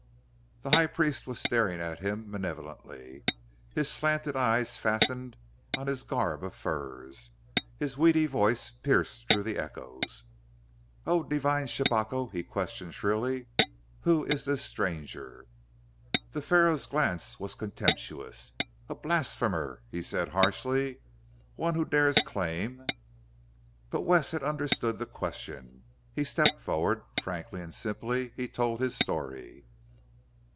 The High Priest was staring at him malevolently, his slanted eyes fastened on his garb of furs. His weedy voice pierced through the echoes. "O divine Shabako," he questioned shrilly, "who is this stranger?" The Pharaoh's glance was contemptuous. "A blasphemer," he said harshly. "One who dares claim " But Wes had understood the question. He stepped forward. Frankly and simply, he told his story.